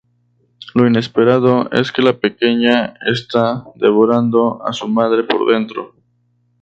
Lo inesperado es que la pequeña está devorando a su madre por dentro.